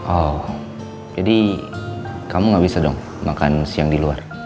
oh jadi kamu nggak bisa dong makan siang di luar